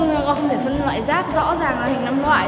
nhưng con không thể phân loại rác rõ ràng là hình năm loại